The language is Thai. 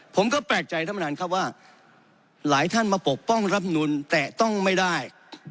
ผมก็แปลกใจท่านประธานครับว่าหลายท่านมาปกป้องรับนูนแต่ต้องไม่ได้